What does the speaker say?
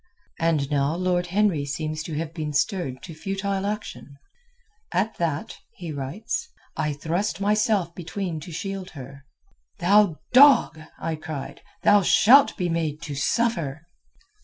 And now Lord Henry seems to have been stirred to futile action. "At that," he writes, "I thrust myself between to shield her. 'Thou dog,' I cried, 'thou shalt be made to suffer!